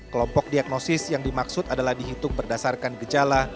kelompok diagnosis yang dimaksud adalah dihitung berdasarkan gejala